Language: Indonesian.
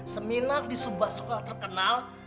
seminar di sebuah sekolah terkenal